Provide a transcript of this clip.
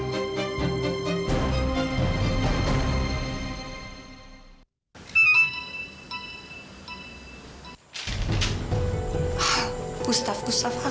gak lihat lara